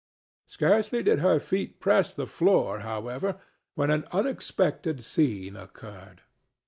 Scarcely did her feet press the floor, however, when an unexpected scene occurred.